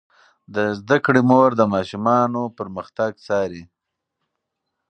د زده کړې مور د ماشومانو پرمختګ څاري.